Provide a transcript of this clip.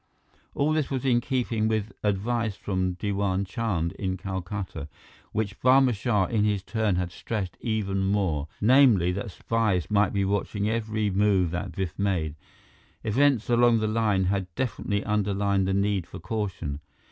All this was in keeping with advice from Diwan Chand in Calcutta, which Barma Shah in his turn had stressed even more; namely, that spies might be watching every move that Biff made. Events along the line had definitely underlined the need for caution.